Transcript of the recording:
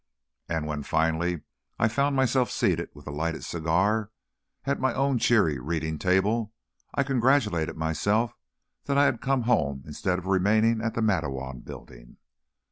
And when, finally, I found myself seated, with a lighted cigar, at my own cheery reading table, I congratulated myself that I had come home instead of remaining at the Matteawan Building.